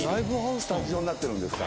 スタジオになってるんですか。